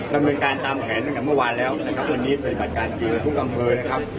ก็เป็นการตามแผนจนกับเมื่อวานแล้วนะครับวันนี้เป็นบัตรการตรงกับกลางนะครับ